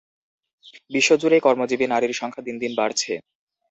বিশ্বজুড়েই কর্মজীবী নারীর সংখ্যা দিন দিন বাড়ছে।